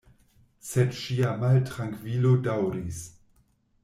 Sed ŝia maltrankvilo daŭris.